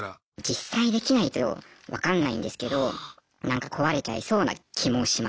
実際できないと分かんないんですけどなんか壊れちゃいそうな気もしますね。